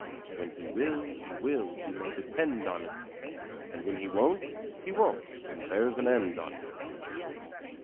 When he will, he will— You may depend on't; And when he won't, he won't— And there's an end on't!